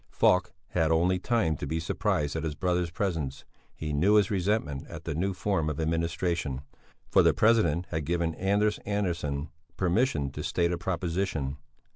Falk had only time to be surprised at his brother's presence he knew his resentment at the new form of administration for the president had given Anders Andersson permission to state a proposition.